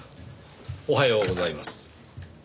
おはようございます。